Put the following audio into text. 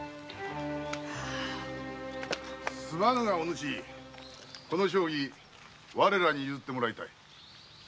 すまぬがこの床几我らに譲ってもらいたい。